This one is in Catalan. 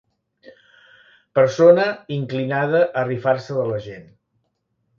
Persona inclinada a rifar-se de la gent.